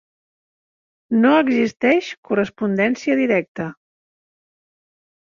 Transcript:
No existeix correspondència directa.